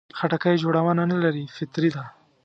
خټکی جوړونه نه لري، فطري ده.